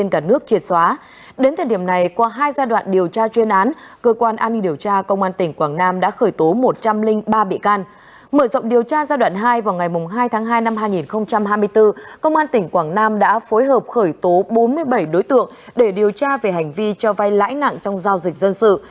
mở rộng điều tra giai đoạn hai vào ngày hai tháng hai năm hai nghìn hai mươi bốn công an tỉnh quảng nam đã phối hợp khởi tố bốn mươi bảy đối tượng để điều tra về hành vi cho vay lãi nặng trong giao dịch dân sự